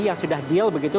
yang sudah deal begitu